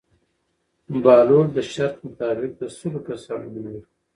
بهلول د شرط مطابق د سلو کسانو نومونه ولیکل.